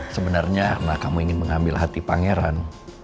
sebenarnya karena kamu ingin mengambil hati pangeran